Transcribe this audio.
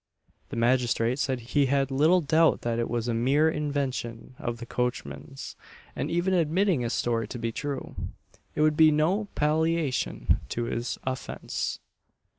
The magistrate said he had little doubt that it was a mere invention of the coachman's; and even admitting his story to be true, it would be no palliation of his offence.